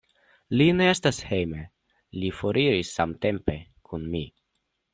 Li ne estas hejme; li foriris samtempe kun mi.